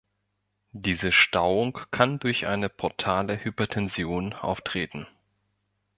Diese Stauung kann durch eine portale Hypertension auftreten.